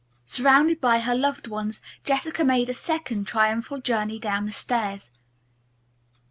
Surrounded by her loved ones, Jessica made a second triumphal journey down the stairs.